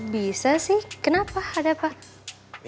bisa sih kenapa ada apa